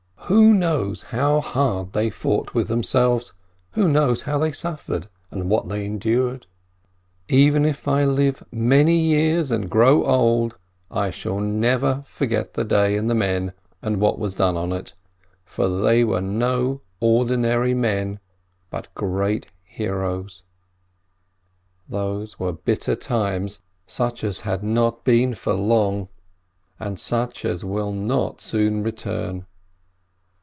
Who knows 18 270 FRISCHMANN how hard they fought with themselves, who knows how they suffered, and what they endured? And even if I live many years and grow old, I shall never forget the day and the men, and what was done on it, for they were no ordinary men, but great heroes. Those were bitter times, such as had not been for long, and such as will not soon return.